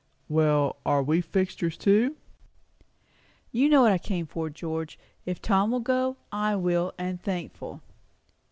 "Well, are we fixtures too?" "You know what I came for, George. If Tom will go, I will, and thankful."